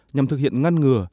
nhằm thực hiện ngăn ngừa